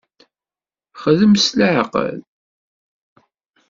Xdem s leɛqel.